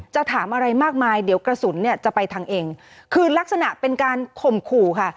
ถามอะไรมากมายเดี๋ยวกระสุนเนี่ยจะไปทางเองคือลักษณะเป็นการข่มขู่ค่ะ